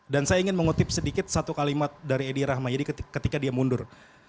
dan saya ingin mengutip sedikit satu kalimat dari edi rahmayadi ketika dia mundur